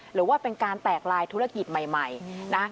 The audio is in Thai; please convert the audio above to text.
หรือว่าเป็นการแตกลายธุรกิจใหม่นะ